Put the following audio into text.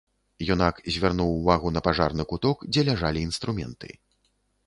Юнак звярнуў увагу на пажарны куток, дзе ляжалі інструменты.